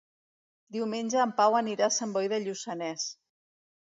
Diumenge en Pau anirà a Sant Boi de Lluçanès.